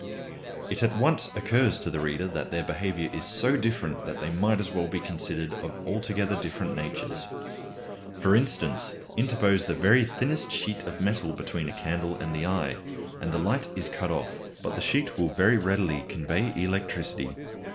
It at once occurs to the reader that their behaviour is so different that they might as well be considered of altogether different natures. For instance, interpose the very thinnest sheet of metal between a candle and the eye, and the light is cut off. But the sheet will very readily convey electricity.